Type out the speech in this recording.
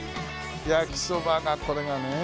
焼きそばがこれがねえ。